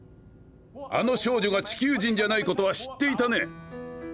あの少女が地きゅう人じゃないことは知っていたね？